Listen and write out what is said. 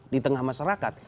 di tengah masyarakat